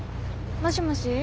もしもし。